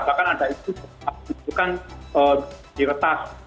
bahkan ada itu yang diketahui di retas